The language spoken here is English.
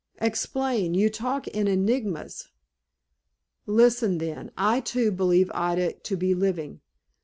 "Explain. You talk in enigmas." "Listen, then. I, too, believe Ida to be living.